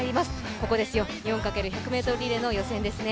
ここですよ、４×１００ｍリレーの予選ですね。